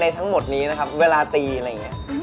ทั้งหมดนี้นะครับเวลาตีอะไรอย่างนี้